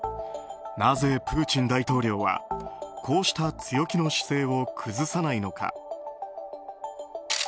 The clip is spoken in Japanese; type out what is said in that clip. なぜプーチン大統領はこうした強気の姿勢を崩さないのか。